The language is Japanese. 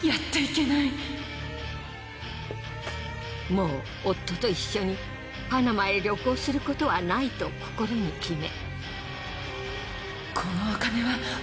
もう夫と一緒にパナマへ旅行することはないと心に決め。